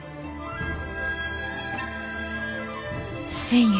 １，０００円。